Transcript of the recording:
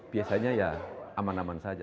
biasanya ya aman aman saja